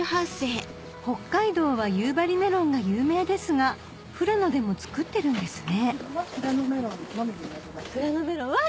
北海道は夕張メロンが有名ですが富良野でも作ってるんですね富良野メロンのみ。